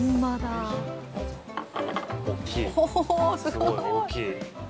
すごい、大きい。